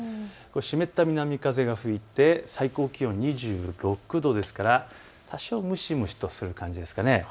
湿った南風が吹いて最高気温２６度ですから多少、蒸し蒸しとする感じです。